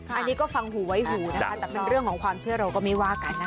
อันนี้ก็ฟังหูไว้หูนะคะแต่เป็นเรื่องของความเชื่อเราก็ไม่ว่ากันนะคะ